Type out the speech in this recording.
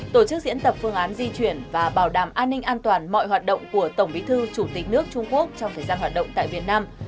tổ chức diễn tập phương án di chuyển và bảo đảm an ninh an toàn mọi hoạt động của tổng bí thư chủ tịch nước trung quốc trong thời gian hoạt động tại việt nam